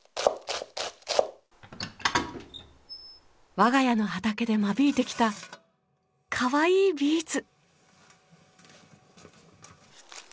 我が家の畑で間引いてきたかわいいビーツ。